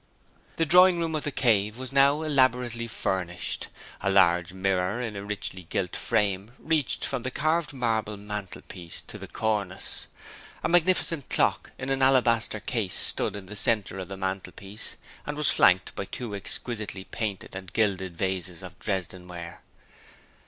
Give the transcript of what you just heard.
The drawing room of 'The Cave' was now elaborately furnished. A large mirror in a richly gilt frame reached from the carved marble mantelpiece to the cornice. A magnificent clock in an alabaster case stood in the centre of the mantelpiece and was flanked by two exquisitely painted and gilded vases of Dresden ware.